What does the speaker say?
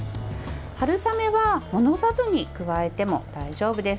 春雨はもどさずに加えても大丈夫です。